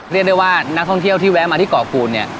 เรียกได้ว่านักท่องเที่ยวที่แวะมาที่เกาะกูลเนี่ย